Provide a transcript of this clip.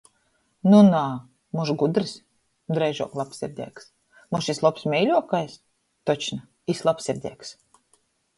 Nu, nā!... Mož gudrs? Dreižuok lobsirdeigs... Mož jis lobs meiļuokais? Točno, jis lobsirdeigs!